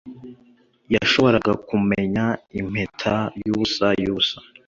Yashoboraga kumenya impeta yubusa yubusa